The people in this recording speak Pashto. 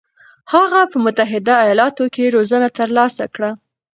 هغه په متحده ایالاتو کې روزنه ترلاسه کړه.